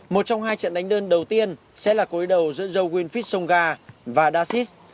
một trong hai trận đánh đơn đầu tiên sẽ là cuối đầu giữa joe winfield songa và dasis